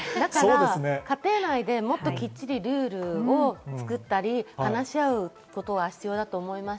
家庭内でもっときっちりルールを作ったり話し合うことが必要だと思います。